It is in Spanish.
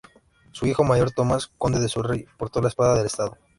Su hijo mayor, Thomas, conde de Surrey, portó la espada del Estado.